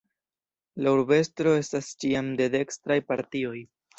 La urbestro esta ĉiam de dekstraj partioj.